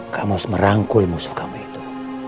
kamu harus merangkul musuh kamu itu